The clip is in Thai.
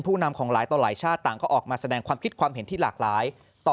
นำของหลายต่อหลายชาติต่างก็ออกมาแสดงความคิดความเห็นที่หลากหลายต่อ